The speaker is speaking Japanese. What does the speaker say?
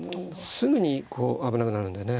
すぐにこう危なくなるんだよね。